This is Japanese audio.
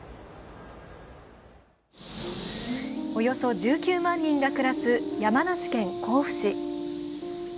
およそ１９万人が暮らす山梨県甲府市。